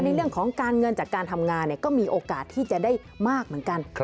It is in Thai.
ในเรื่องของการเงินจากการทำงานก็มีโอกาสที่จะได้มากเหมือนกัน